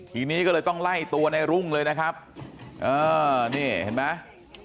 ทีนี้ก็เลยต้องไล่ตัวในรุ่งเลยนะครับเออนี่เห็นไหม